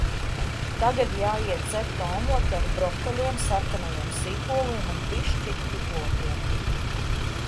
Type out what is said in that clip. Tagad jāiet cept omlete ar brokoļiem, sarkanajiem sīpoliem un bišķi ķiplokiem.